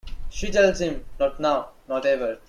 She tells him, Not now, not ever.